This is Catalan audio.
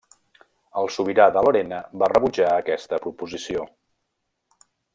El sobirà de Lorena va rebutjar aquesta proposició.